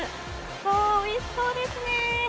おいしそうですね。